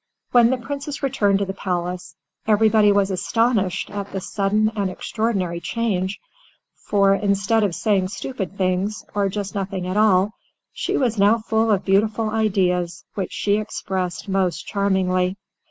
When the Princess returned to the Palace, everybody was astonished at the sudden and extraordinary change, for, instead of saying stupid things, or just nothing at all, she was now full of beautiful ideas which she expressed most charmingly.